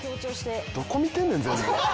どこ見てんねん全部。